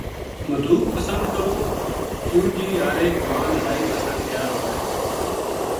مدوک پسند کروں کیوں جی ہر ایک جوان لڑائی بسطے تیار ہووے